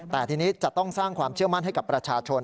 แต่ทีนี้จะต้องสร้างความเชื่อมั่นให้กับประชาชน